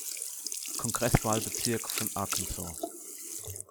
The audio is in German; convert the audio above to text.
Kongresswahlbezirk von Arkansas.